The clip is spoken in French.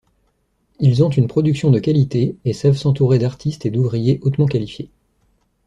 Ils ont une production de qualité et savent s'entourer d'artistes et d'ouvriers hautement qualifiés.